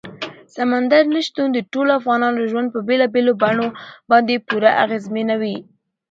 سمندر نه شتون د ټولو افغانانو ژوند په بېلابېلو بڼو باندې پوره اغېزمنوي.